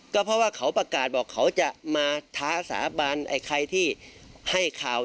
ก็เพราะว่าเขาประกาศบอกเขาจะมาท้าสาบานไอ้ใครที่ให้ข่าว